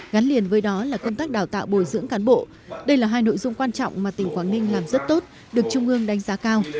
gắn liền với đó là công tác đào tạo bồi dưỡng cán bộ đây là hai nội dung quan trọng mà tỉnh quảng ninh làm rất tốt được trung ương đánh giá cao